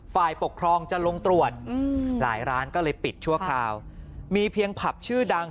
ฝ่ายปกครองจะลงตรวจหลายร้านก็เลยปิดชั่วคราวมีเพียงผับชื่อดัง